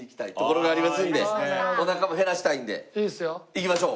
行きましょう。